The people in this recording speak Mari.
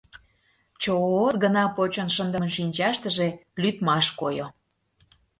Чо-от гына почын шындыме шинчаштыже лӱдмаш койо.